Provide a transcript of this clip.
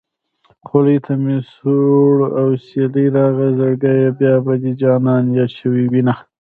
خولې ته مې سوړ اوسېلی راغی زړګيه بيا به دې جانان ياد شوی وينه